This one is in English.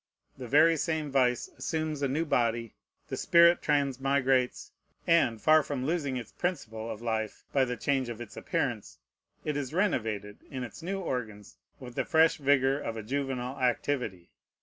The very same vice assumes a new body. The spirit transmigrates; and, far from losing its principle of life by the change of its appearance, it is renovated in its new organs with the fresh vigor of a juvenile activity.